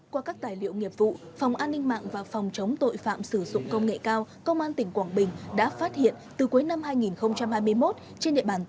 qua các tài liệu nghiệp vụ phòng an ninh mạng và phòng chống tội phạm sử dụng công nghệ cao công an tỉnh quảng bình đã phát hiện từ cuối năm hai nghìn hai mươi một